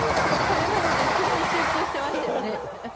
これまでで一番集中してましたよね。